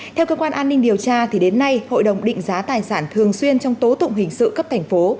theo cơ quan an ninh điều tra đến nay hội đồng định giá tài sản thường xuyên trong tố tụng hình sự cấp thành phố